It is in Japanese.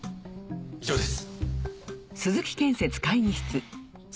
以上です。